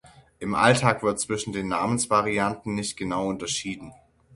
Im Alltag wird zwischen den Namensvarianten nicht genau unterschieden.